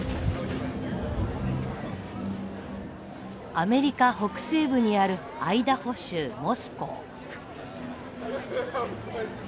アメリカ北西部にあるアイダホ州モスコー。